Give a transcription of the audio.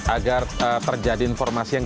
agar terjadi informasi yang